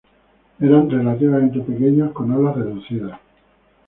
Eran relativamente pequeños, con alas reducidas.